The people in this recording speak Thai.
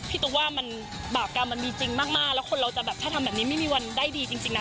ตุ๊กว่ามันบาปกรรมมันมีจริงมากแล้วคนเราจะแบบถ้าทำแบบนี้ไม่มีวันได้ดีจริงนะ